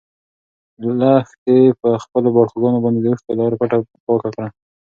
لښتې په خپلو باړخوګانو باندې د اوښکو لاره په پټه پاکه کړه.